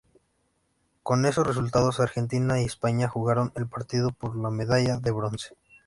Con esos resultados, Argentina y España jugaron el partido por la medalla de bronce.